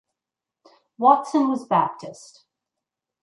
Watson was Baptist.